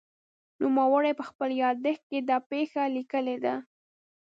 نوموړي په خپل یادښت کې دا پېښه لیکلې ده.